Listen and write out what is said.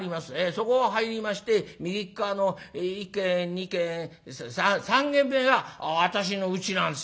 そこを入りまして右っ側の１軒２軒３軒目が私のうちなんですよ」。